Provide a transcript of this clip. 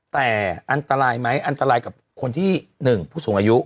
แต่อันตรายไหมอันตรายกับคนที่๑ผู้สูงอายุ